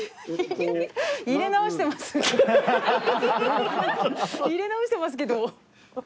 入れ直してますけど。